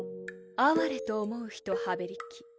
「あはれと思う人はべりき」。